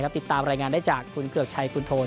ติดตามรายงานได้จากคุณเกือกชัยคุณโทน